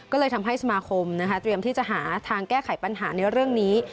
ก็เลยทำให้สมาคมนะคะเตรียมที่จะหาทางแก้ไขปัญหาในเรื่องนี้